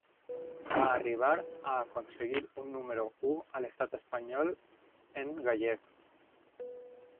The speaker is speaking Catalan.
Va arribar a aconseguir un número u a l'estat espanyol en gallec.